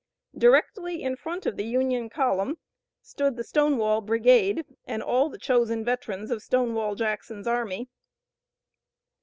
Directly in front of the Union column stood the Stonewall Brigade, and all the chosen veterans of Stonewall Jackson's army.